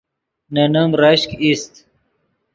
نے نیم رشک ایست